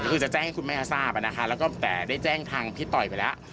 คือจะแจ้งให้คุณแม่ทราบนะคะแล้วก็แต่ได้แจ้งทางพี่ต่อยไปแล้ว